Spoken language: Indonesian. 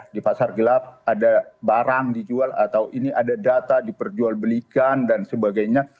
di pasar gelap ada barang dijual atau ini ada data diperjualbelikan dan sebagainya